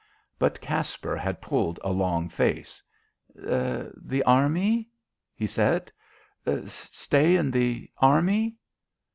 But Caspar had pulled a long face. "The Army?" he said. "Stay in the Army?"